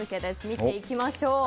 見ていきましょう。